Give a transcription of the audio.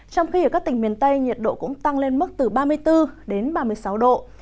trong khi ở các tỉnh miền tây nhiệt độ cũng tăng lên mức từ ba mươi bốn đến ba mươi sáu độ